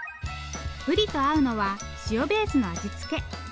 ブリと合うのは塩ベースの味付け。